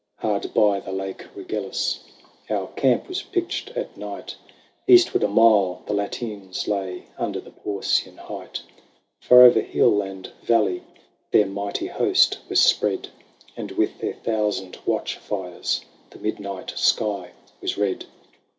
Hard by the Lake Regillus Our camp was pitched at night : Eastward a mile the Latines lay. Under the Porcian height. Far over hill and valley Their mighty host was spread ; And with their thousand watch fires The midnight sky was red.